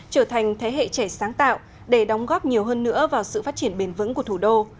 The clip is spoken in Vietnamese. trở thành thế hệ trẻ sáng tạo để đóng góp nhiều hơn nữa vào sự phát triển bền vững của thủ đô